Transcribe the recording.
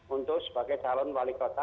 untuk sebagai calon wali kota